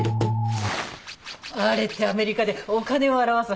あれってアメリカでお金を表すハンドサイン。